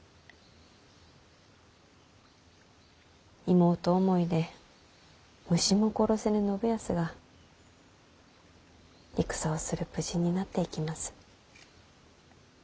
妹思いで虫も殺せぬ信康が戦をする武人になっていきます。